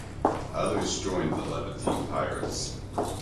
Others joined the Levantine pirates.